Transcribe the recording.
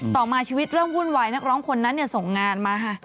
ต่อมาชีวิตเริ่มวุ่นวายนักร้องคนนั้นส่งงานมาค่ะ